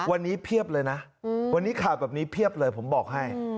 วันนี้เพียบเลยนะวันนี้ข่าวแบบนี้เพียบเลยผมบอกให้